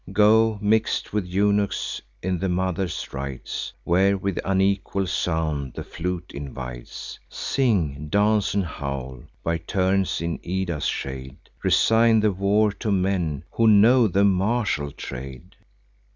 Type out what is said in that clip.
Go, mix'd with eunuchs, in the Mother's rites, Where with unequal sound the flute invites; Sing, dance, and howl, by turns, in Ida's shade: Resign the war to men, who know the martial trade!"